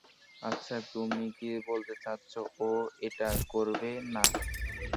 আচ্ছা, তুমি কি বলতে চাচ্ছ, ও এটা করবে না?